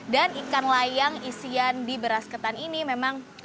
dan ikan layang isian di beras ketan ini memang sangat menarik